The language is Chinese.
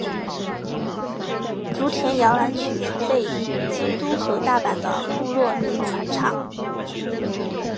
竹田摇篮曲曾被京都和大阪的部落民传唱。